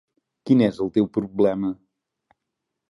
Quin és el teu problema?